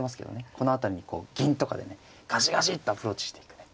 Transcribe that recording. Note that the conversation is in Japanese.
この辺りに銀とかでねガジガジッとアプローチしていくね